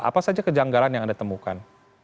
apa saja kejanggalan yang anda temukan